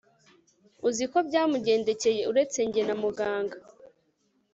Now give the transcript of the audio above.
uzi uko byamugendekeye uretse njye na muganga